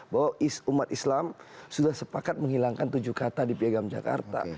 bahwa umat islam sudah sepakat menghilangkan tujuh kata di piagam jakarta